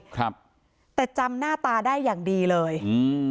ครับแต่จำหน้าตาได้อย่างดีเลยอืม